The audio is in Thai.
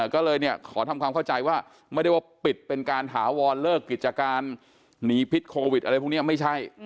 ก็เลยขอทำความเข้าใจว่าไม่ได้ว่าปิดเป็นการถาวรเลิกกิจการหนีพิษโควิดอะไรพวกนี้ไม่ใช่